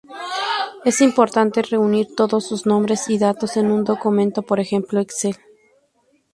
Es importante reunir todos sus nombres y datos en un documento, por ejemplo Excel.